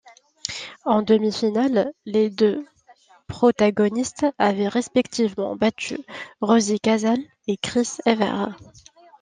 En demi-finale, les deux protagonistes avaient respectivement battu Rosie Casals et Chris Evert.